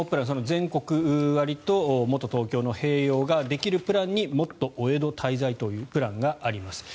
全国割ともっとＴｏｋｙｏの併用ができるプランにもっとお江戸滞在というプランがあります。